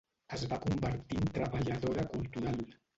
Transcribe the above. Es va convertir en treballadora cultural.